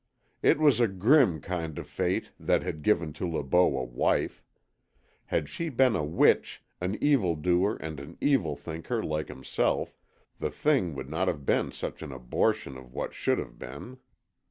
It was a grim kind of fate that had given to Le Beau a wife. Had she been a witch, an evil doer and an evil thinker like himself, the thing would not have been such an abortion of what should have been.